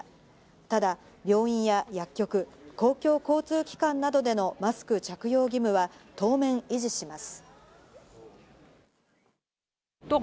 ただ病院や薬局、公共交通機関などでのマスク着用義務は当面維持します。